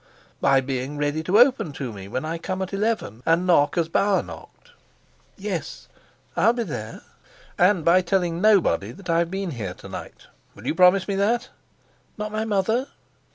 "By being ready to open to me when I come at eleven and knock as Bauer knocked." "Yes, I'll be there." "And by telling nobody that I've been here to night. Will you promise me that?" "Not my mother?"